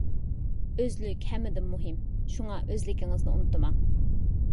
ئۆزلۈك ھەممىدىن مۇھىم. شۇڭا ئۆزلۈكىڭىزنى ئۇنتۇماڭ!